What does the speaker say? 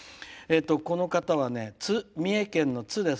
この方は、三重県の津市。